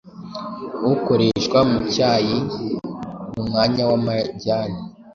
ukoreshwa mu cyayi mu mwanya w’amajyani,